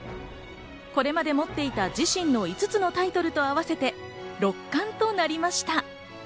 これまで持っていた自身の５つのタイトルと合わせて六冠となりました。